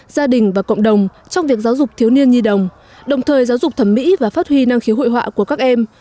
gia đình và cộng đồng trong việc giáo dục thiếu niên nhi đồng đồng thời giáo dục thẩm mỹ và phát huy năng khiếu hội họa của các em